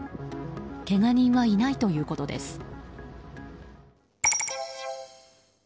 けが人はいないということです。